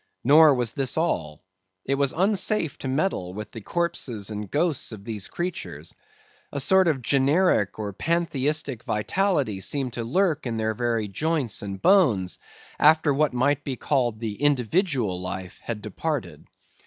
Nor was this all. It was unsafe to meddle with the corpses and ghosts of these creatures. A sort of generic or Pantheistic vitality seemed to lurk in their very joints and bones, after what might be called the individual life had departed.